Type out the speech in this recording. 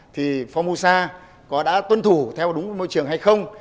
thì phong mô sa có đã tuân thủ theo đúng môi trường hay không